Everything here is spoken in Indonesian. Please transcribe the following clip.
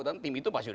tentu tim itu pasti